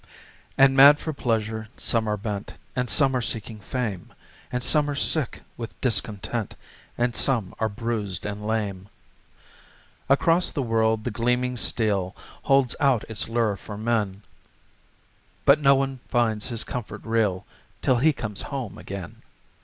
And mad for pleasure some are bent, And some are seeking fame, And some are sick with discontent, And some are bruised and lame. Across the world the gleaming steel Holds out its lure for men, But no one finds his comfort real Till he comes home again.